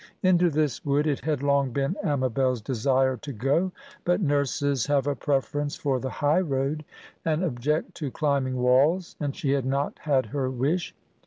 Into this wood it had long been Amabel's desire to go. But nurses have a preference for the high road, and object to climbing walls, and she had not had her wish.